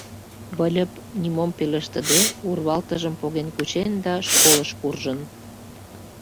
Выльып, нимом пелештыде, урвалтыжым поген кучен да школыш куржын.